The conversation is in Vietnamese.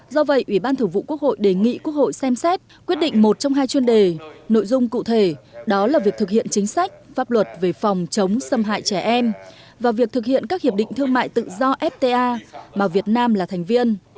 do vậy ủy ban thủ vụ quốc hội đề nghị quốc hội xem xét quyết định một trong hai chuyên đề nội dung cụ thể đó là việc thực hiện chính sách pháp luật về phòng chống xâm hại trẻ em và việc thực hiện các hiệp định thương mại tự do fta mà việt nam là thành viên